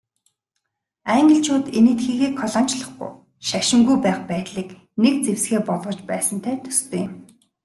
Англичууд Энэтхэгийг колоничлохгүй, шашингүй байх байдлыг нэг зэвсгээ болгож байсантай төстэй юм.